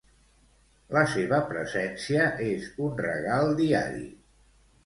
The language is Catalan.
La seva presència és un regal diari.